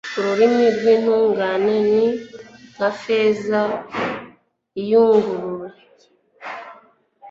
ururimi rw'intungane ni nka feza iyunguruye